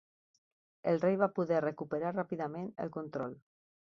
El rei va poder recuperar ràpidament el control.